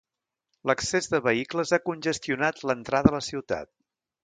L'excés de vehicles ha congestionat l'entrada a la ciutat.